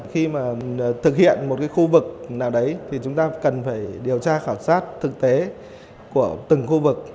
khi mà thực hiện một khu vực nào đấy thì chúng ta cần phải điều tra khảo sát thực tế của từng khu vực